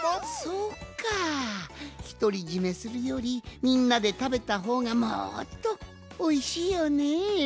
そっかひとりじめするよりみんなでたべたほうがもっとおいしいよねえ。